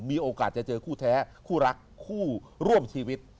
มีโอกาสจะเจอคู่แท้คู่รักคู่ร่วมชีวิต